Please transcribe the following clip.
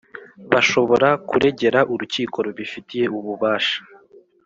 bashobora kuregera urukiko rubifitiye ububasha